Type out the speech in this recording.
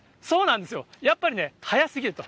やっぱりね、早すぎると。